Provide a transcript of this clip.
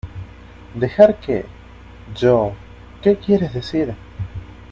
¿ Dejar qué? Yo... ¿ qué quieres decir ?